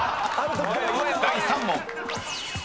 ［第３問］